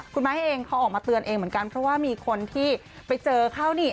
คุณไม้เองเขาออกมาเตือนเองเหมือนกันเพราะว่ามีคนที่ไปเจอเขานี่